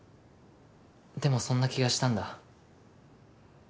でもそんな気がしたんだ。